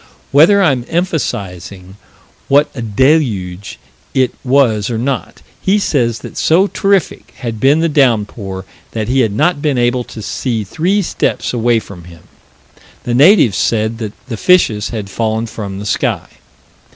Whether I'm emphasizing what a deluge it was or not, he says that so terrific had been the downpour that he had not been able to see three steps away from him. The natives said that the fishes had fallen from the sky.